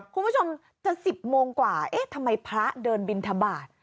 คุณผู้ชมจะ๑๐โมงกว่าเอ๊ะทำไมพระเดินบินทบาท